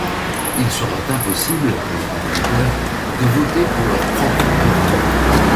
Il sera impossible pour les compositeurs de voter pour leur propre œuvre.